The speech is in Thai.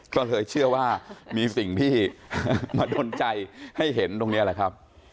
ก็เลยเชื่อว่ามีสิ่งที่มาดนใจให้เห็นตรงนี้แหละครับ